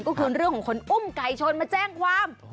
ก็คือเรื่องของคนอุ้มไก่ชนมาแจ้งความ